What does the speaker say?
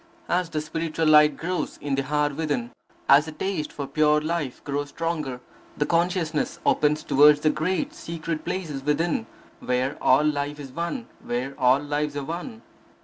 As the spiritual light grows in the heart within, as the taste for pure Life grows stronger, the consciousness opens toward the great, secret places within, where all life is one, where all lives are one.